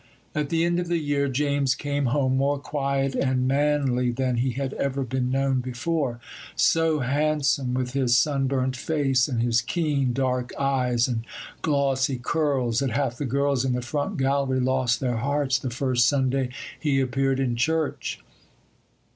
At the end of the year James came home, more quiet and manly than he had ever been known before,—so handsome with his sunburnt face, and his keen, dark eyes and glossy curls, that half the girls in the front gallery lost their hearts the first Sunday he appeared in church.